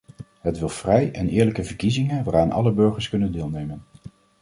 Het wil vrij en eerlijke verkiezingen waaraan alle burgers kunnen deelnemen.